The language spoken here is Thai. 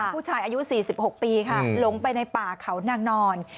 ผู้ชายอายุ๔๖ปีค่ะลงไปในป่าเขานางนอน